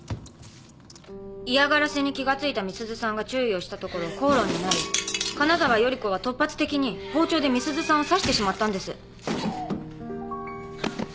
嫌がらせに気が付いた美鈴さんが注意をしたところ口論になり金沢頼子は突発的に包丁で美鈴さんを刺してしまったんです。